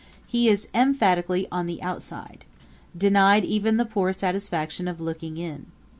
He is emphatically on the outside, denied even the poor satisfaction of looking in.